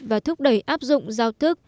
và thúc đẩy áp dụng giao thức